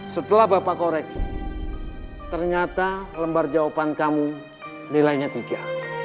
setelah bapak koreksi ternyata lembar jawaban kamu nilainya tiga